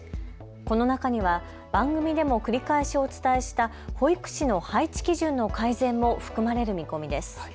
この中には番組でも繰り返しお伝えした保育士の配置基準の改善も含まれる見込みです。